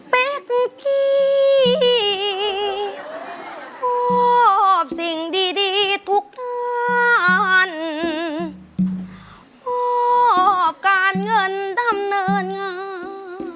เป็กที่พบสิ่งดีทุกการพบการเงินดำเนินงาน